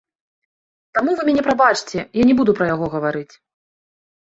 Таму вы мяне прабачце, я не буду пра яго гаварыць.